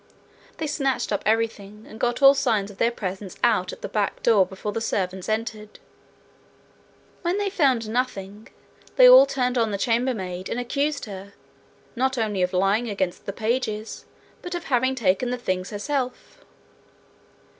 They snatched up everything, and got all signs of their presence out at the back door before the servants entered. When they found nothing, they all turned on the chambermaid, and accused her, not only of lying against the pages, but of having taken the things herself.